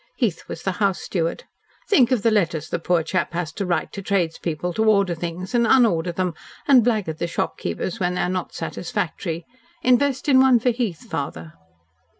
Heath was the house steward. "Think of the letters the poor chap has to write to trades people to order things, and unorder them, and blackguard the shopkeepers when they are not satisfactory. Invest in one for Heath, father."